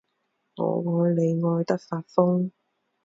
我爱你爱的发疯